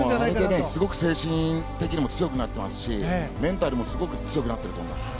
あれですごく精神的にも強くなってますしメンタルもすごく強くなってると思います。